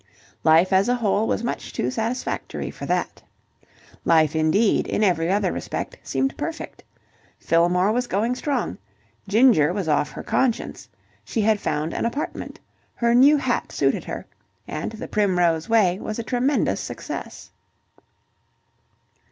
Life as a whole was much too satisfactory for that. Life indeed, in every other respect, seemed perfect. Fillmore was going strong; Ginger was off her conscience; she had found an apartment; her new hat suited her; and "The Primrose Way" was a tremendous success.